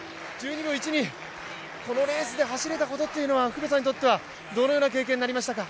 １２秒１２、このレースで走れたということは福部さんにとってはどのような経験になりましたか？